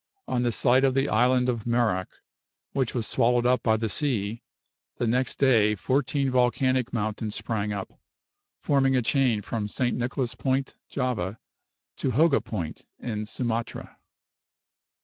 On the site of the island of Merak, which was swallowed up by the sea, the next day fourteen volcanic mountains sprang up, forming a chain from St. Nicholas Point, Java, to Hoga Point, in Sumatra.